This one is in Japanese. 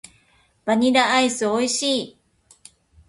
バニラアイス美味しい。